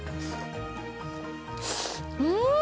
うん！